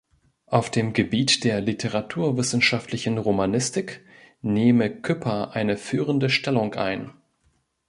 Auf dem Gebiet der literaturwissenschaftlichen Romanistik nehme Küpper eine führende Stellung ein.